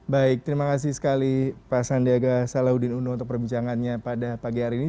baik terima kasih sekali pak sandiaga salahuddin uno untuk perbincangannya pada pagi hari ini